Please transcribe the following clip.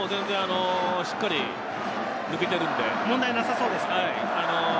しっかり抜けているので問題なさそうです。